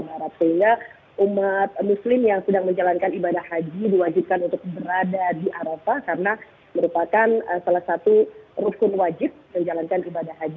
sehingga umat muslim yang sedang menjalankan ibadah haji diwajibkan untuk berada di arafah karena merupakan salah satu rukun wajib menjalankan ibadah haji